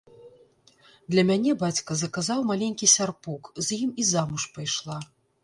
Для мяне бацька заказаў маленькі сярпок, з ім і замуж пайшла.